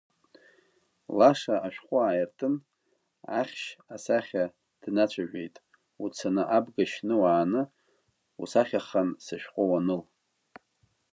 Лаша ашәҟәы ааиртын ахьшь асахьа днацәажәеит уцаны абга шьны уааны усахьахан сышәҟәы уаныл.